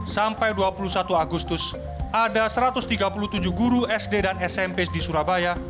sampai dua puluh satu agustus ada satu ratus tiga puluh tujuh guru sd dan smp di surabaya